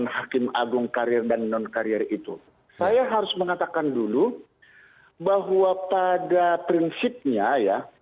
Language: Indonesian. hai sehingga pendidikan akademisnya ya tetapi tetapi bagikan it interes itu adalah pengalaman dan